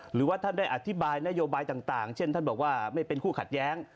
หรือว่าท่านได้อธิบายนโยบายต่างเช่นท่านบอกว่าไม่เป็นคู่ขัดแย้ง